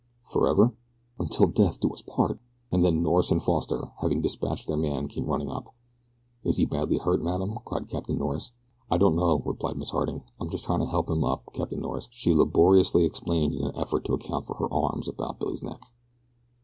"Forever?" "Until death do us part!" And then Norris and Foster, having dispatched their man, came running up. "Is he badly hurt, madam?" cried Captain Norris. "I don't know," replied Miss Harding; "I'm just trying to help him up, Captain Norris," she laboriously explained in an effort to account for her arms about Billy's neck.